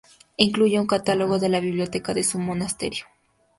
Incluye un catálogo de la biblioteca de su monasterio.